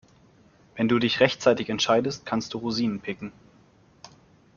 Wenn du dich rechtzeitig entscheidest, kannst du Rosinen picken.